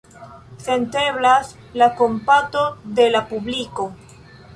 Senteblas la kompato de la publiko.